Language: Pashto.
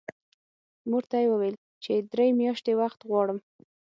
مور ته یې وویل چې درې میاشتې وخت غواړم